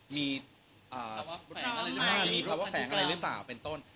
มีภาวะแฟงอะไรหรือเปล่าเป็นต้น